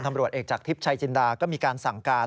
ตำรวจเอกจากทิพย์ชัยจินดาก็มีการสั่งการ